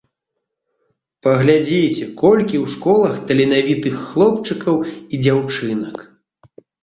Паглядзіце, колькі ў школах таленавітых хлопчыкаў і дзяўчынак.